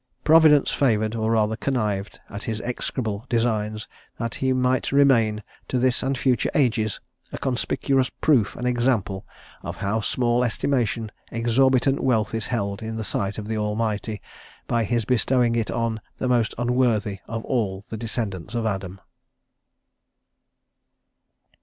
PROVIDENCE FAVOURED, OR RATHER CONNIVED AT, HIS EXECRABLE DESIGNS, THAT HE MIGHT REMAIN, TO THIS AND FUTURE AGES, A CONSPICUOUS PROOF AND EXAMPLE OF HOW SMALL ESTIMATION EXORBITANT WEALTH IS HELD IN THE SIGHT OF THE ALMIGHTY, BY HIS BESTOWING IT ON THE MOST UNWORTHY OF ALL THE DESCENDANTS OF ADAM.